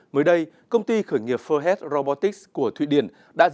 mới đây công ty khởi nghiệp ferhed robotics của thụy điển